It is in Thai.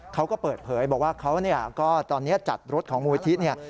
เขาก็เปิดเผยบอกว่าเขาก็ตอนนี้จัดรถของมูลที่เนี่ย